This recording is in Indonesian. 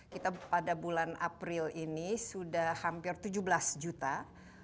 kita pada bulan tahun ini kita sudah melakukan program vaksinasi di indonesia sebenarnya salah satu yang lumayan sukses